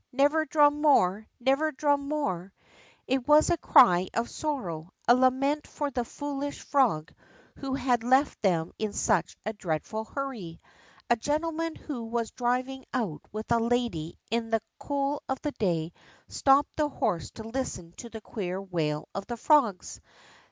J^ever drum more ! Xever drum more !" It was a cry of sorrow, a lament for the foolisli frog who had left them in sucli a dreadful hurry. A gentleman who was driving out with a lady in the cool of the day stopped the horse to listen to the queer wail of the frogs.